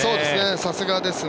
さすがですね。